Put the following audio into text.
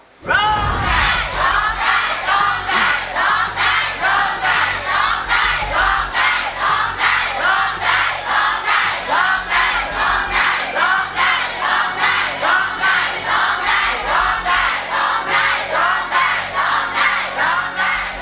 ร้องได้หรือว่าร้องผิดครับ